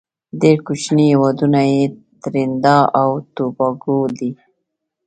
ډیر کوچینی هیوادونه یې تريندا او توباګو دی.